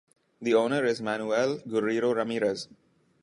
The owner is Manuel Guerreiro Ramirez.